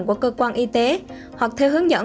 của cơ quan y tế hoặc theo hướng dẫn